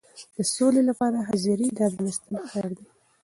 د سولې لپاره حاضري د افغانستان خیر دی.